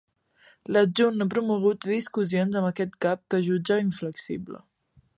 L'adjunt, no promogut, té discussions amb aquest cap que jutja inflexible.